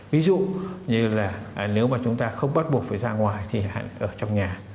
ví dụ như là nếu mà chúng ta không bắt buộc phải ra ngoài thì ở trong nhà